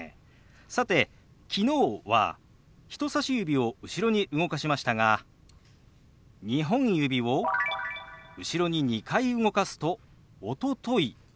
さて「昨日」は人さし指を後ろに動かしましたが２本指を後ろに２回動かすと「おととい」。